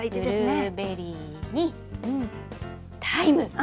ブルーベリーにタイム。